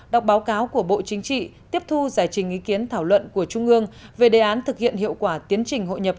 đọc báo cáo của bộ chính trị tiếp thu giải trình ý kiến thảo luận của trung ương về đề án thực hiện hiệu quả tiến trình hội nhập